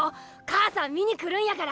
母さん見に来るんやから！